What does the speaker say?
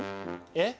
えっ？